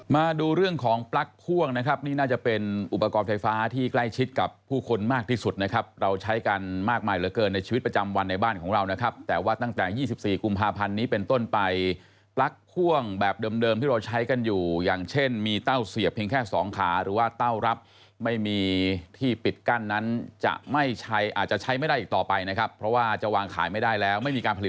มาดูเรื่องของปลั๊กค่วงนะครับนี่น่าจะเป็นอุปกรณ์ไฟฟ้าที่ใกล้ชิดกับผู้คนมากที่สุดนะครับเราใช้กันมากมายเหลือเกินในชีวิตประจำวันในบ้านของเรานะครับแต่ว่าตั้งแต่๒๔กุมภาพันธ์นี้เป็นต้นไปปลั๊กค่วงแบบเดิมที่เราใช้กันอยู่อย่างเช่นมีเต้าเสียบเพียงแค่สองขาหรือว่าเต้ารับไม่มีที่ปิดก